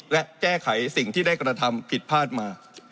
และแก้ไขสิ่งที่ได้กระทำผิดพลาดมา